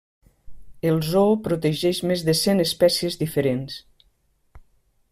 El zoo protegeix més de cent espècies diferents.